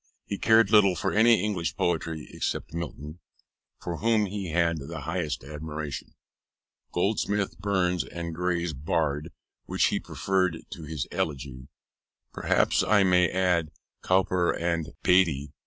He cared little for any English poetry except Milton (for whom he had the highest admiration), Goldsmith, Burns, and Gray's Bard, which he preferred to his Elegy: perhaps I may add Cowper and Beattie.